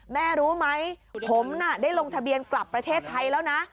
แม่รู้ไหมผมน่ะได้ลงทะเบียนกลับประเทศไทยแล้วนะ